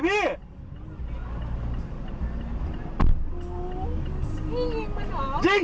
พี่ยิงมันเหรอ